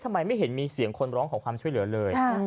ไม่เห็นมีเสียงคนร้องขอความช่วยเหลือเลย